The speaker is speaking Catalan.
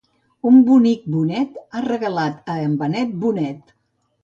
Un bonic bonet ha regalat a en Benet Bonet.